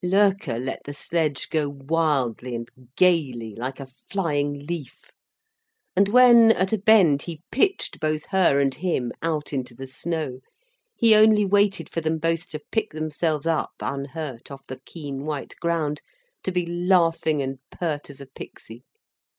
Loerke let the sledge go wildly, and gaily, like a flying leaf, and when, at a bend, he pitched both her and him out into the snow, he only waited for them both to pick themselves up unhurt off the keen white ground, to be laughing and pert as a pixie.